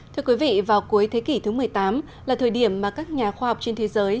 thưa quý vị vào cuối thế kỷ thứ một mươi tám là thời điểm mà các nhà khoa học trên thế giới